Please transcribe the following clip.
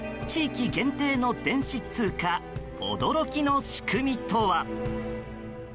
地域限定の電子通貨驚きの仕組みとは。